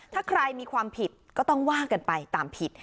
ถ้าใครมีความผิดก็ต้องว่ากันไปตามผิด